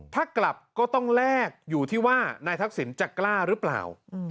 ถ้ากลับก็ต้องแลกอยู่ที่ว่านายทักษิณจะกล้าหรือเปล่า